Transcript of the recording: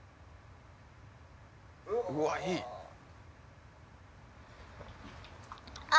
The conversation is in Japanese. うわっいいああ！